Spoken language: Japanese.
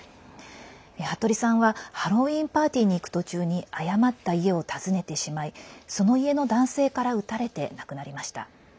服部さんはハロウィーンパーティーに行く途中に誤った家を訪ねてしまいその家の男性から撃たれて亡くなりました。